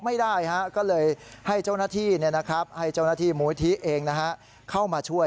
ไม่ได้ก็เลยให้เจ้าหน้าที่มูธิเองเข้ามาช่วย